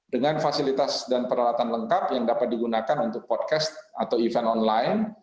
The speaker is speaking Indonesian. dengan fasilitas dan peralatan lengkap yang dapat digunakan untuk podcast atau event online